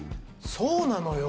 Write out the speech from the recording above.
そうなのよ！